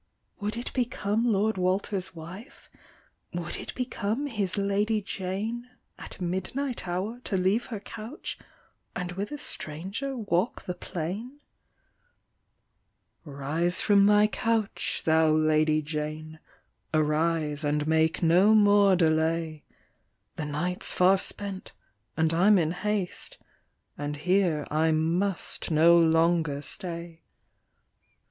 " Would it become Lord Walter's wife, Would it become his Lady Jane, At midnight hour to leave her couch, And with a stranger walk the plain ?" ♦'Rise from thy couch, thou Lady Jane, Arise, and make no more delay ; The night's far spent, and I'm in haste, And here I must no longer stay.